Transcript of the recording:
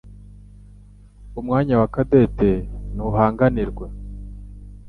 Umwanya wa Cadette ntuhanganirwa